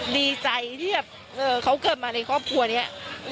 ดีใจที่แบบเขาเกิดมาในครอบครัวนี้